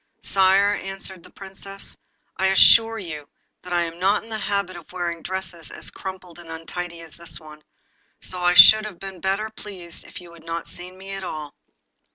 'Sire,' answered the Princess, 'I assure you that I am not in the habit of wearing dresses as crumpled and untidy as this one, so I should have been better pleased if you had not seen me at all.